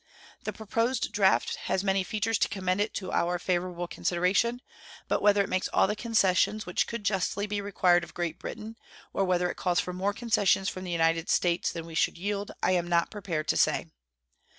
The proposed draft has many features to commend it to our favorable consideration; but whether it makes all the concessions which could justly be required of Great Britain, or whether it calls for more concessions from the United States than we should yield, I am not prepared to say.